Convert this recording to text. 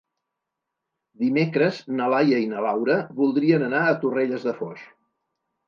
Dimecres na Laia i na Laura voldrien anar a Torrelles de Foix.